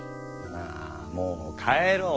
なあもう帰ろう。